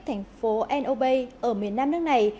thành phố en obe ở miền nam nước này